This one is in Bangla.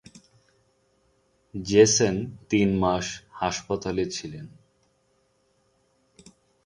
জেসেন তিন মাস হাসপাতালে ছিলেন।